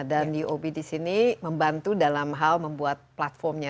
dan yub disini membantu dalam hal membuat platformnya